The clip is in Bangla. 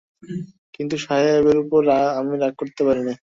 কিন্তু সাহেবের উপর আমি রাগ করতে পারি নি।